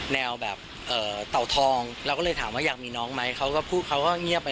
แนวแบบเต่าทองเราก็เลยถามว่าอยากมีน้องไหมเขาก็พูดเขาก็เงียบไป